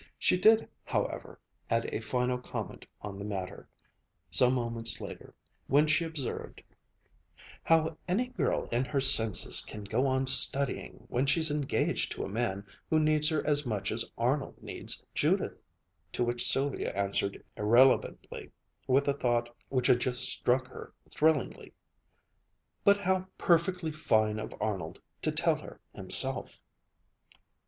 She did, however, add a final comment on the matter, some moments later, when she observed, "How any girl in her senses can go on studying, when she's engaged to a man who needs her as much as Arnold needs Judith!" To which Sylvia answered irrelevantly with a thought which had just struck her thrillingly, "But how perfectly fine of Arnold to tell her himself!"